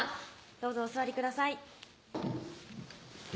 どうぞお座りください